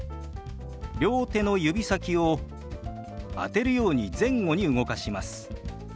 両手の指先を当てるように前後に動かします。